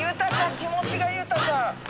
気持ちが豊か。